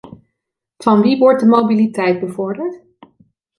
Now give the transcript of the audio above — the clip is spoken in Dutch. Van wie wordt de mobiliteit bevorderd?